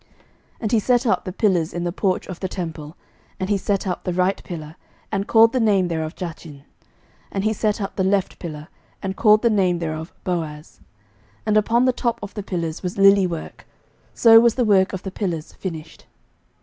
11:007:021 And he set up the pillars in the porch of the temple: and he set up the right pillar, and called the name thereof Jachin: and he set up the left pillar, and called the name thereof Boaz. 11:007:022 And upon the top of the pillars was lily work: so was the work of the pillars finished.